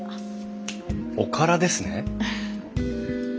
おからですね！